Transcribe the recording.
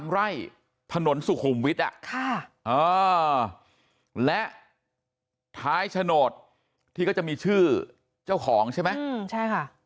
ไร่ถนนสุขุมวิทย์และท้ายโฉนดที่ก็จะมีชื่อเจ้าของใช่ไหมใช่ค่ะ